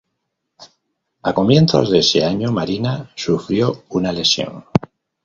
A comienzos de ese año, Marina sufrió una lesión.